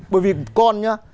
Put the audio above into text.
bởi vì con nhá